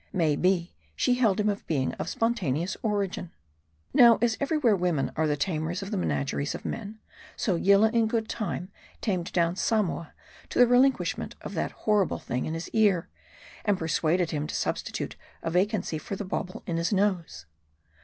May be, she held him a being of spontaneous origin. Now, as every where women are the tamers of the men ageries of men ; so Yillah in good time tamed down Samoa to the relinquishment of that horrible thing in his ear, and persuaded him to substitute a vacancy for the bauble in his nose.